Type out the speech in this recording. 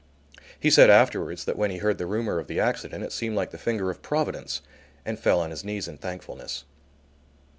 He said afterwards that when he heard the rumour of the accident it seemed like the finger of Providence, and fell on his knees in thankfulness.